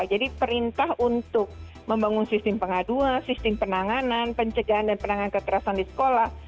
perintah untuk membangun sistem pengaduan sistem penanganan pencegahan dan penanganan kekerasan di sekolah